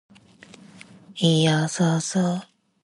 いーやーさーさ